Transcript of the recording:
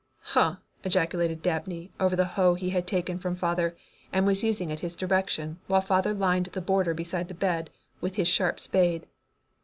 "Huh," ejaculated Dabney over the hoe he had taken from father and was using at his direction while father lined the border beside the bed with his sharp spade.